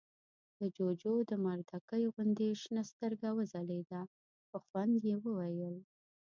د جُوجُو د مردکۍ غوندې شنه سترګه وځلېده، په خوند يې وويل: